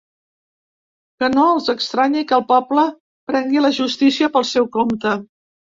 Que no els estranyi que el poble prengui la justícia pel seu compte.